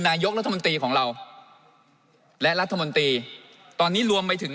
นายกรัฐมนตรีของเราและรัฐมนตรีตอนนี้รวมไปถึง